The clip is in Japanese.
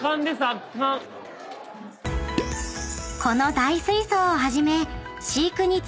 ［この大水槽をはじめ］